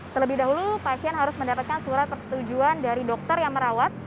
terlebih dahulu pasien harus mendapatkan surat persetujuan dari dokter yang merawat